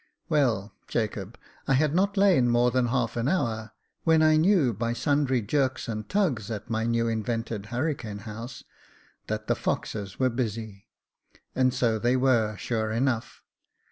Well, Jacob, I had not lain more than half an hour, when I knew by sundry jerks and tugs at my new invented hurricane house, that the foxes were busy — and so they were, sure enough.